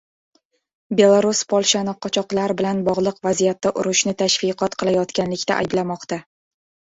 Belarus Polshani qochoqlar bilan bog‘liq vaziyatda urushni tashviqot qilayotganlikda ayblamoqda